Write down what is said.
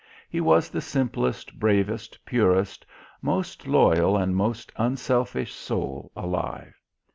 He was the simplest, bravest, purest, most loyal, and most unselfish soul alive.